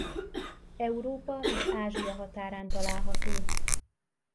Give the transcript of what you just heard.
Európa és Ázsia határán található.